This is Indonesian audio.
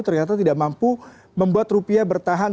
ternyata tidak mampu membuat rupiah bertahan